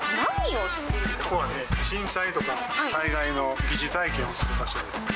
ここは震災とか災害の疑似体験をする場所です。